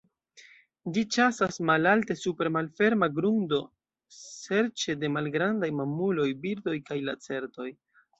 Ĝi ĉasas malalte super malferma grundo serĉe de malgrandaj mamuloj, birdoj kaj lacertoj.